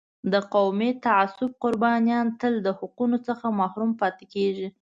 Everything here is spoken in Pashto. د قومي تعصب قربانیان تل د حقونو څخه محروم پاتې کېږي.